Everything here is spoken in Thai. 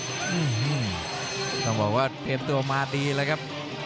อืมต้องบอกว่าเตรียมตัวมาดีเลยครับ